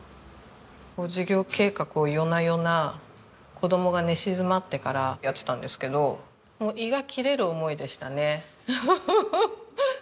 事業計画を夜な夜な子供が寝静まってからやってたんですけど胃が切れる思いでしたね。